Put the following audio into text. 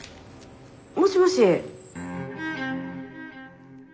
もしもし？